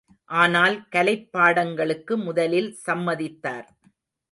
ஆனால் கலைப் பாடங்களுக்கு முதலில் சம்மதித்தார்.